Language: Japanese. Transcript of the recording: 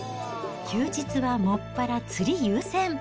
休日はもっぱら釣り優先。